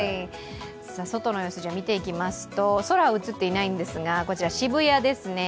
外の様子、見ていきますと、空は映ってないんですがこちら、渋谷ですね。